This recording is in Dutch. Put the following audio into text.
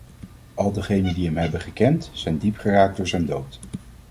Al degenen die hem hebben gekend, zijn diep geraakt door zijn dood.